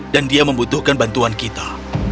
dan dia membutuhkan bantuan kita